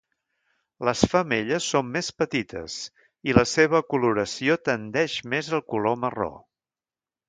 Les femelles són més petites i la seva coloració tendeix més al color marró.